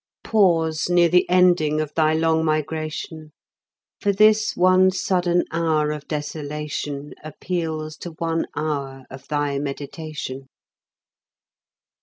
Pause near the ending of thy long migration; For this one sudden hour of desolation Appeals to one hour of thy meditation.